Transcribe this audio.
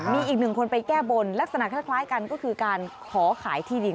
มีอีกหนึ่งคนไปแก้บนลักษณะคล้ายกันก็คือการขอขายที่ดิน